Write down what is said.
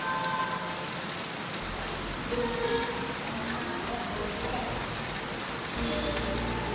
「くるっとまわしてチューリップ」